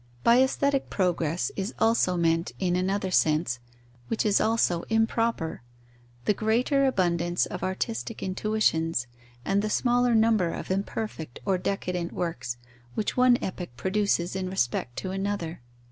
By aesthetic progress is also meant, in another sense, which is also improper, the greater abundance of artistic intuitions and the smaller number of imperfect or decadent works which one epoch produces in respect to another.